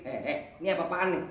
eh eh ini apa apaan nih